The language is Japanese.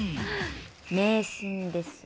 迷信です。